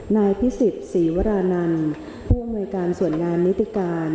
นายพิศิษฐ์สีวรานัลผู้อำนวยการส่วนงานนิตการ